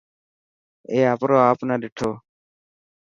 اي آپري آپ نا ڏٺو.